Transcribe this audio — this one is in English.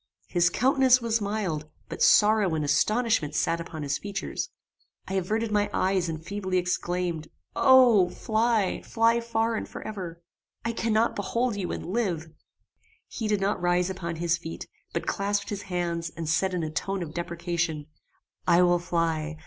His countenance was mild, but sorrow and astonishment sat upon his features. I averted my eyes and feebly exclaimed "O! fly fly far and for ever! I cannot behold you and live!" He did not rise upon his feet, but clasped his hands, and said in a tone of deprecation "I will fly.